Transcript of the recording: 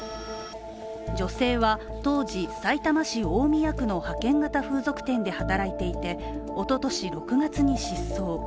女性は当時、さいたま市大宮区の派遣型風俗店で働いていておととし、６月に失踪。